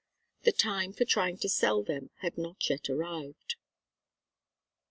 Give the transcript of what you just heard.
The time for trying to sell them had not yet arrived.